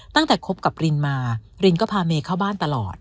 คบกับรินมารินก็พาเมย์เข้าบ้านตลอด